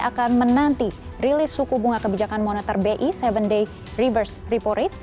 akan menanti rilis suku bunga kebijakan moneter bi tujuh day reverse repo rate